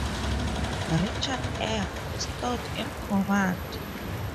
Richard F. Stout in command.